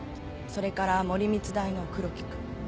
それから森光大の黒木君。